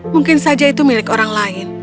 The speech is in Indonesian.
mungkin saja itu milik orang lain